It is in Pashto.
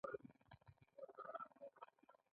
د امنیت ټینګول هم په دندو کې راځي.